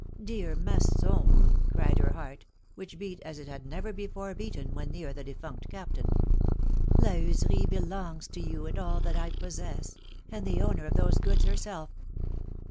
Dear Masson ! cried her heart, which beat as it had never before beaten when near the defunct Captain ; La Heuserie belongs to you, and all that I possess, and the owner of those goods herself